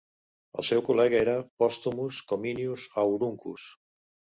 El seu col·lega era Postumus Cominius Auruncus.